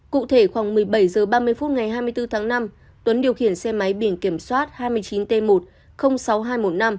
cụ thể khoảng một mươi bảy h ba mươi phút ngày hai mươi bốn tháng năm tuấn điều khiển xe máy biển kiểm soát hai mươi chín t một sáu nghìn hai trăm một mươi năm